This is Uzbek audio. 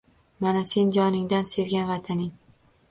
Mana, sen joningdan sevgan Vataning